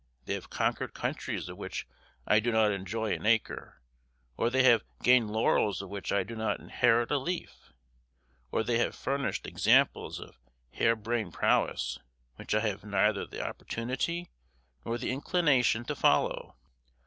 They have conquered countries of which I do not enjoy an acre, or they have gained laurels of which I do not inherit a leaf, or they have furnished examples of hair brained prowess, which I have neither the opportunity nor the inclination to follow.